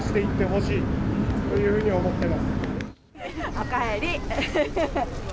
おかえり。